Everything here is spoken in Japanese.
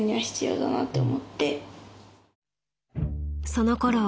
［そのころ